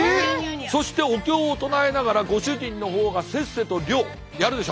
そしてお経を唱えながらご主人の方がせっせと漁やるでしょ。